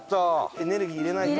エネルギー入れないと。